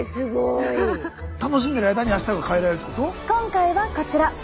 今回はこちら！